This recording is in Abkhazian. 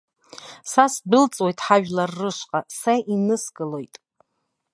Са сдәылҵуеит ҳажәлар рышҟа, са иныскылоит.